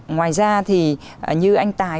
ngoài ra thì như anh tài